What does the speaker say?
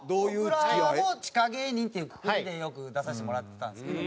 僕らも地下芸人っていうくくりでよく出させてもらってたんですけど。